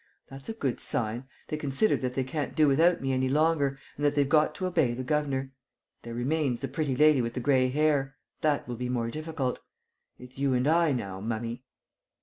"That's a good sign. They consider that they can't do without me any longer and that they've got to obey the governor. There remains the pretty lady with the gray hair. That will be more difficult. It's you and I now, mummy."